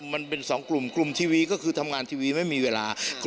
มันเป็นสองกลุ่มกลุ่มทีวีก็คือทำงานทีวีไม่มีเวลา